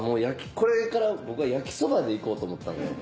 これから僕は焼きそばで行こうと思ったのよ。